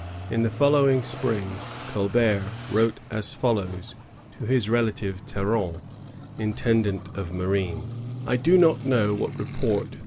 In the following spring Colbert wrote as follows to his relative Terron, intendant of marine: —"' I do not know what report M.